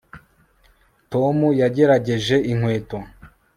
Tom yagerageje inkweto